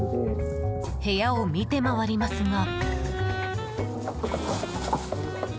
部屋を見て回りますが。